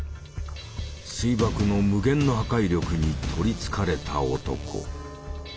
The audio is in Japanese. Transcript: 水爆の無限の破壊力に取りつかれた男。